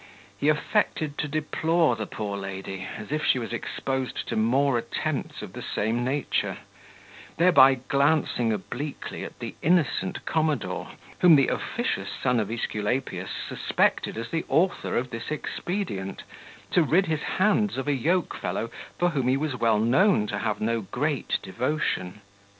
He affected to deplore the poor lady, as if she was exposed to more attempts of the same nature; thereby glancing obliquely at the innocent commodore, whom the officious son of Aesculapius suspected as the author of this expedient, to rid his hands of a yoke fellow for whom he was well known to have no great devotion.